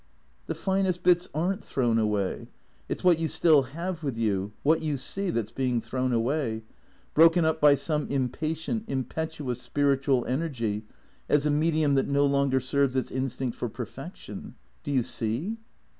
'' "The finest bits aren't thrown away. It's what you still have with you, what you see, that 's being thrown away — broken up by some impatient, impetuous spiritual energy, as a medium that no longer serves its instinct for perfection. Do you see?"